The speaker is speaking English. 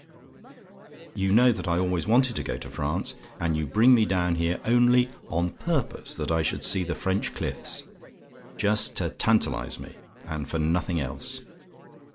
"You know that I always wanted to go to France; and you bring me down here only on purpose that I should see the French cliffs just to tantalise me, and for nothing else.